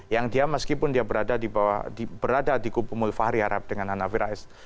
yang dia meskipun dia berada di kubu mulfahri harap dengan hanafi rais